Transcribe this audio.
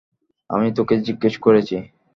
আমি তোকে জিজ্ঞেস করেছি।